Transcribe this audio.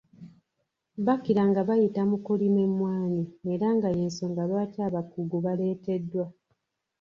Bakira nga bayita mu kulima emmwanyi era nga y’ensonga lwaki abakugu baleeteddwa.